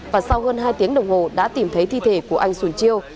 và sau hơn hai tiếng đồng hồ đã tìm thấy thi thể của anh xuồng chiêu